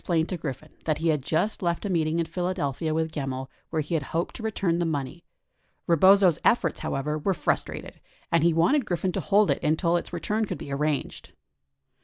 1016 plained to Griffin that he had just left a meeting in Philadelphia with Gemmill where he had hoped to return the money. Rebozo's efforts, however, were frustrated, and he wanted Griffin to hold it until its return could be arranged.